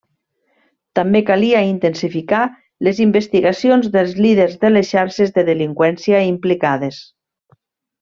També calia intensificar les investigacions dels líders de les xarxes de delinqüència implicades.